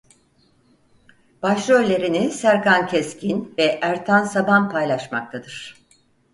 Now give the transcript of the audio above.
Başrollerini Serkan Keskin ve Ertan Saban paylaşmaktadır.